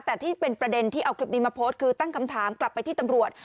แต่ที่เป็นประเด็นที่เอาคลิปนี้มาโพสต์คือตั้งคำถามกลับไปที่ตำรวจ